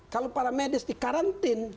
kalau para medis di karantin